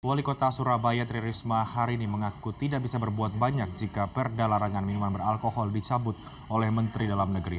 wali kota surabaya tri risma hari ini mengaku tidak bisa berbuat banyak jika perda larangan minuman beralkohol dicabut oleh menteri dalam negeri